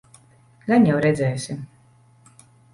Gan jau redzēsi?